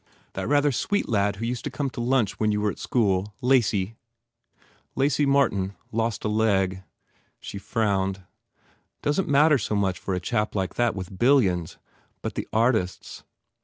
That rather sweet lad who used to come to lunch when you were at school? Lacy ?" "Lacy Martin. Lost a leg." She frowned. "Doesn t matter so much for a chap like that with billions but the artists.